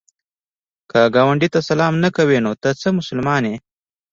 که ګاونډي ته سلام نه کوې، نو ته څه مسلمان یې؟